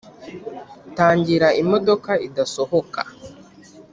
tangira imodoka idasohoka